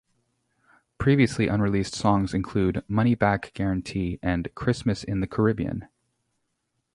Previously unreleased songs include "Money Back Guarantee" and "Christmas in the Caribbean.